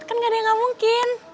kan enggak ada yang enggak mungkin